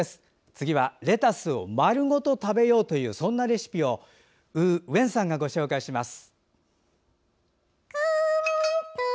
次はレタスを１玉丸ごと食べようというレシピをウー・ウェンさんがご紹介します。